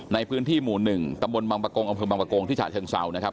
ในพื้นที่หมู่หนึ่งตำรวจบางประกงอำเภอบางประกงที่ชาติเชิงเสานะครับ